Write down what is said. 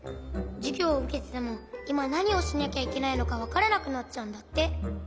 じゅぎょうをうけててもいまなにをしなきゃいけないのかわからなくなっちゃうんだって。